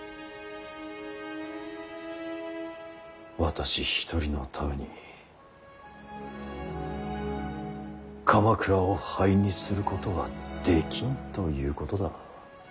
私一人のために鎌倉を灰にすることはできんということだ。